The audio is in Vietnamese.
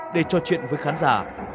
để trò chuyện với khán giả